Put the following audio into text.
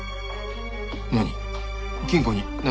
何？